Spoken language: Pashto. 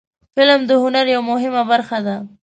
فلم د هنر یوه مهمه برخه ده